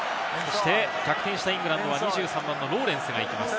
逆転したイングランドは２３番のローレンスが行きます。